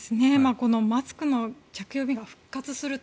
このマスクの着用義務が復活すると。